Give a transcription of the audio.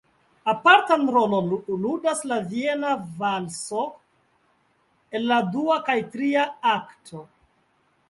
Apartan rolon ludas la viena valso en la dua kaj tria akto.